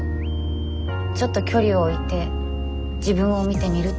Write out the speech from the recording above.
ちょっと距離置いて自分を見てみるってこと。